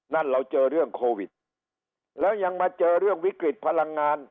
นั่นเราเจอเรื่องโควิดแล้วยังมาเจอเรื่องวิกฤตพลังงาน